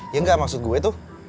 ya enggak maksud gue tuh